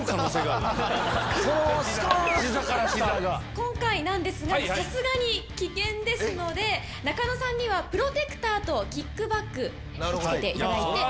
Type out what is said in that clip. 今回なんですがさすがに危険ですので仲野さんにはプロテクターとキックバッグを着けていただいて。